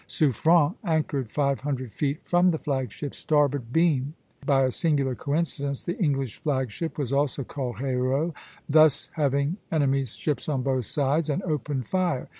Suffren anchored five hundred feet from the flag ship's starboard beam (by a singular coincidence the English flag ship was also called "Hero"), thus having enemy's ships on both sides, and opened fire.